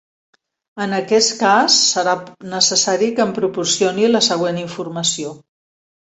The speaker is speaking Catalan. En aquest cas, serà necessari que em proporcioni la següent informació:.